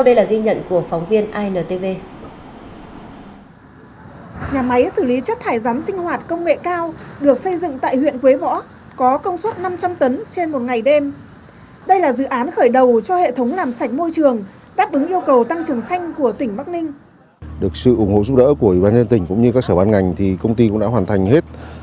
đáp ứng yêu cầu tăng trường xanh của tỉnh bắc ninh